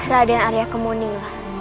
raden arya kemun inilah